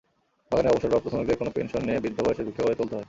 বাগানে অবসরপ্রাপ্ত শ্রমিকদের কোনো পেনশন নেই, বৃদ্ধ বয়সে ভিক্ষা করে চলতে হয়।